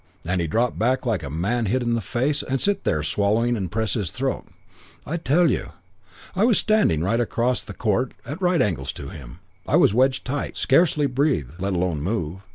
and he'd drop back like a man with a hit in the face and sit there swallowing and press his throat. "I tell you.... "I was standing right across the court at right angles to him. I was wedged tight. Scarcely breathe, let alone move.